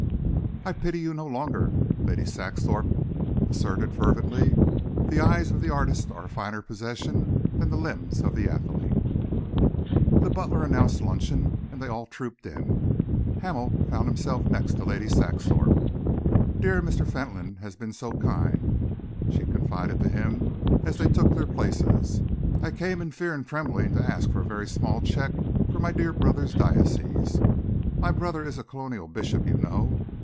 "I pity you no longer," Lady Saxthorpe asserted fervently. "The eyes of the artist are a finer possession than the limbs of the athlete." The butler announced luncheon, and they all trooped in. Hamel found himself next to Lady Saxthorpe. "Dear Mr. Fentolin has been so kind," she confided to him as they took their places. "I came in fear and trembling to ask for a very small cheque for my dear brother's diocese. My brother is a colonial bishop, you know.